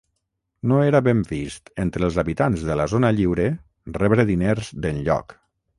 No era ben vist entre els habitants de la zona lliure rebre diners d’enlloc.